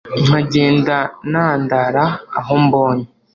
nkagenda nandara aho mbonye